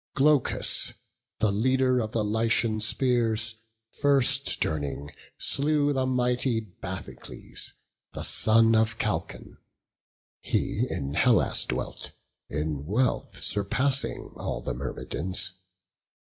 Glaucus, the leader of the Lycian spears, First turning, slew the mighty Bathycles, The son of Chalcon; he in Hellas dwelt, In wealth surpassing all the Myrmidons.